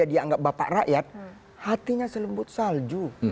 jadi dia anggap bapak rakyat hatinya selembut salju